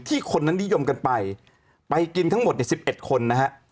คนนั้นนิยมกันไปไปกินทั้งหมดใน๑๑คนนะฮะ